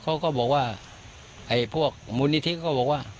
เขาก็บอกว่าไอ้พวกมูลนิธิก็บอกว่า